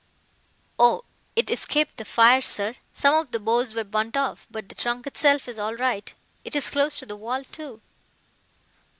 "Oh, it escaped the fire, sir. Some of the boughs were burnt off but the trunk itself is all right. It is close to the wall too."